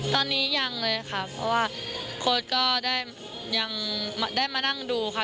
ตอนนี้ยังเลยค่ะเพราะว่าโค้ดก็ได้ยังได้มานั่งดูค่ะ